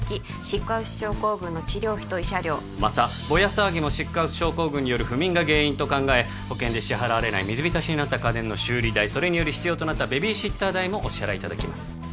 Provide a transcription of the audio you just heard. シックハウス症候群の治療費と慰謝料またボヤ騒ぎもシックハウス症候群による不眠が原因と考え保険で支払われない水浸しになった家電の修理代それにより必要となったベビーシッター代もお支払いいただきます